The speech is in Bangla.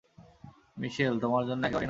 মিশেল, তোমার জন্য একেবারেই না।